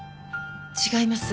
違います。